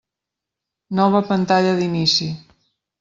Nova pantalla d'inici.